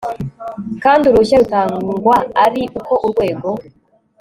kandi uruhushya rutangwa ari uko Urwego